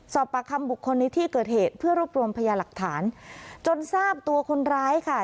สอบปากคำบุคคลในที่เกิดเหตุเพื่อรวบรวมพยาหลักฐานจนทราบตัวคนร้ายค่ะ